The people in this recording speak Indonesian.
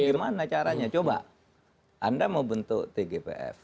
bagaimana caranya coba anda mau bentuk tgpf